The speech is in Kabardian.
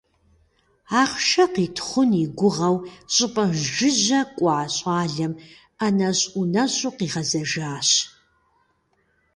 Ахъшэ къитхъун и гугъэу щӀыпӀэ жыжьэ кӀуа щӀалэм ӀэнэщӀ-ӀунэщӀу къигъэзэжащ.